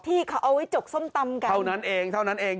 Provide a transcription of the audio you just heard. ที่เขาเอาไว้จกส้มตำกันเท่านั้นเองเท่านั้นเอง